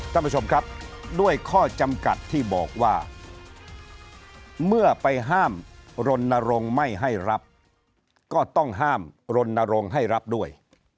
ท่านผู้ชมครับด้วยข้อจำกัดที่บอกว่าเมื่อไปห้ามรณรงค์ไม่ให้รับก็ต้องห้ามรณรงค์ให้รับด้วย